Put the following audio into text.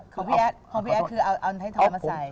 ของพี่แอดคือเอาไทยทอยมาใส่